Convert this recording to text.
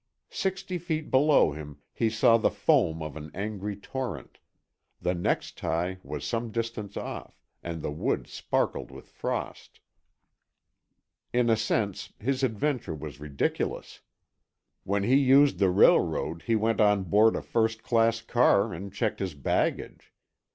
Sixty feet below him, he saw the foam of an angry torrent; the next tie was some distance off, and the wood sparkled with frost. In a sense, his adventure was ridiculous. When he used the railroad he went on board a first class car and checked his baggage.